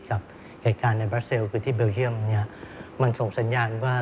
กับเหตุการณ์ในเบลเชียมมันส่งสัญญาณว่า